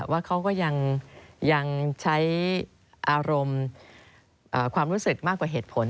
ว่าเขาก็ยังใช้อารมณ์ความรู้สึกมากกว่าเหตุผล